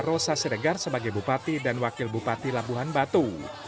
rosa siregar sebagai bupati dan wakil bupati labuhan batu